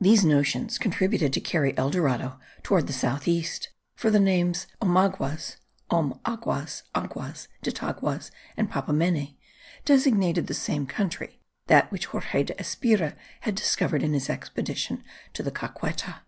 These notions contributed to carry El Dorado toward the south east, for the names Omaguas (Om aguas, Aguas), Dit Aguas, and Papamene, designated the same country that which Jorge de Espira had discovered in his expedition to the Caqueta.